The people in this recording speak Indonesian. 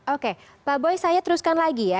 oke pak boy saya teruskan lagi ya